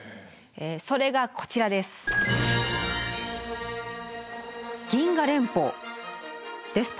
えそれがこちらです。です！